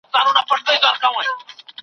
کۀ تاته ياد شي پۀ خبرو بۀ مو شپه وهله